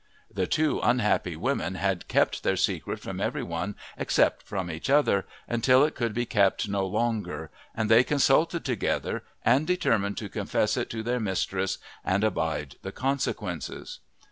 The two unhappy women had kept their secret from every one except from each other until it could be kept no longer, and they consulted together and determined to confess it to their mistress and abide the consequences.